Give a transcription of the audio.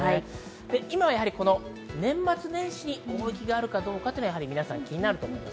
今はこの年末年始に大雪があるかどうかが皆さん気になると思います。